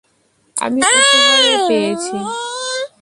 আমি উপহারে পেয়েছি।